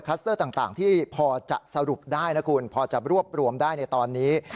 สเตอร์ต่างที่พอจะสรุปได้นะคุณพอจะรวบรวมได้ในตอนนี้